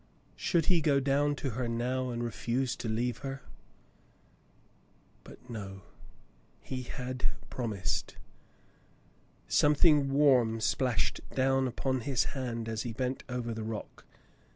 Should he go down to her now and refuse to leave her ? But no. He had promised. Something warm splashed down upon his hand as he bent over the rock.